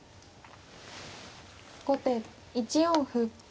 後手１四歩。